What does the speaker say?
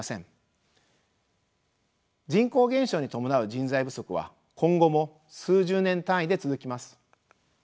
人口減少に伴う人材不足は今後も数十年単位で続きます。